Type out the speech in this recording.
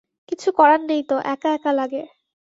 কিছু করার নেই তো, একা একা লাগে।